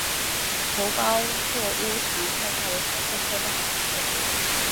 头孢唑肟常态下为白色或淡黄色结晶。